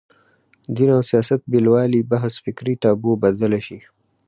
دین او سیاست بېلوالي بحث فکري تابو بدله شي